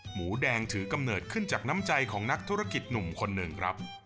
หมูแดงถือกำเนิดขึ้นจากน้ำใจของนักธุรกิจหนุ่มคนหนึ่งครับ